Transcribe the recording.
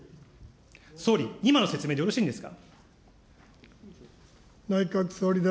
総理、今の説明でよろしいんですか。